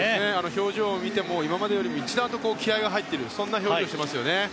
表情を見ても今までより一段と気合が入っているそんな表情をしていますよね。